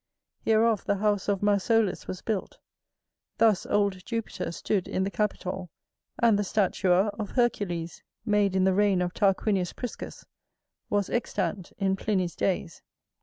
Hereof the house of Mausolus was built, thus old Jupiter stood in the Capitol, and the statua of Hercules, made in the reign of Tarquinius Priscus, was extant in Pliny's days.